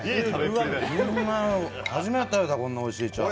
初めて食べた、こんなおいしいチャーハン。